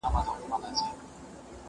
زه بايد ځواب وليکم!!